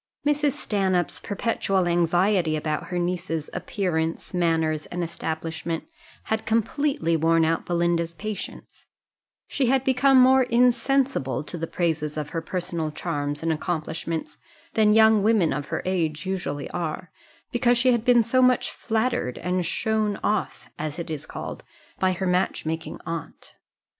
Mrs. Stanhope's perpetual anxiety about her niece's appearance, manners, and establishment, had completely worn out Belinda's patience; she had become more insensible to the praises of her personal charms and accomplishments than young women of her age usually are, because she had been so much flattered and shown off, as it is called, by her match making aunt.